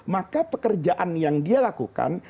maka pekerjaan yang dia lakukan